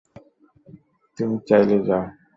তুমি চাইলে যাও।